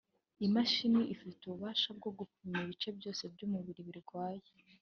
imashine ifite ububasha bwo gupima ibice byose by’umubiri birwaye